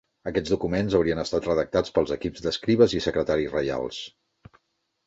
Aquests documents haurien estat redactats pels equips d'escribes i secretaris reials.